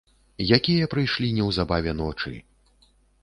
Якія прыйшлі неўзабаве ночы!